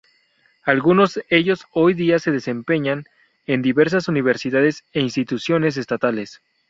Algunos ellos hoy día se desempeñan en diversas Universidades e Instituciones estatales.